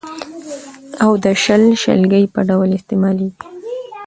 او د شل، شلګي په ډول استعمالېږي.